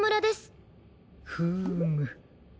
フーム。